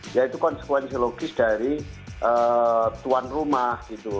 yaitu konsekuensi logis dari tuan rumah gitu